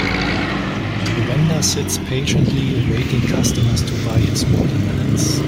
A vendor sits patiently awaiting customers to buy his watermelons.